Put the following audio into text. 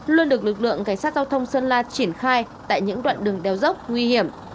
luôn được lực lượng cảnh sát giao thông sơn la triển khai tại những đoạn đường đeo dốc nguy hiểm